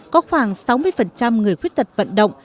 có khoảng sáu mươi người khuyết tật vận động